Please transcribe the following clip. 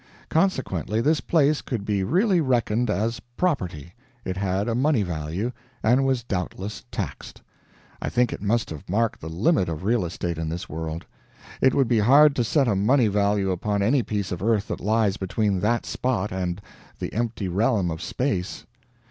Consequently this place could be really reckoned as "property"; it had a money value, and was doubtless taxed. I think it must have marked the limit of real estate in this world. It would be hard to set a money value upon any piece of earth that lies between that spot and the empty realm of space.